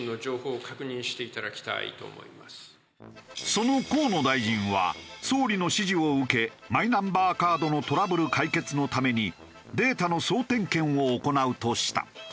その河野大臣は総理の指示を受けマイナンバーカードのトラブル解決のためにデータの総点検を行うとした。